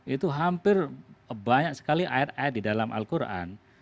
itu hampir banyak sekali ayat ayat di dalam al quran